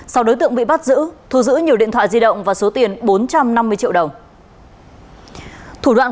sau đối tượng bị bắt giữ thu giữ nhiều điện thoại di động và số tiền bốn trăm năm mươi triệu đồng